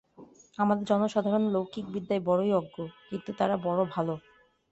আমাদের জনসাধারণ লৌকিক বিদ্যায় বড়ই অজ্ঞ, কিন্তু তারা বড় ভাল।